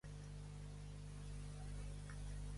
Francisco N. de Laprida; Talcahuano; Gral.